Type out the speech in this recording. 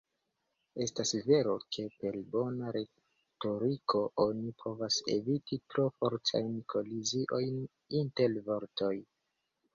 Estas vero, ke per bona retoriko oni povas eviti tro fortajn koliziojn inter vortoj.